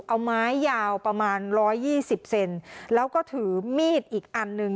เอาไม้ยาวประมาณร้อยยี่สิบเซนแล้วก็ถือมีดอีกอันหนึ่ง